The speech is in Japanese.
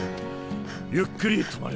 ゆっくり止まる。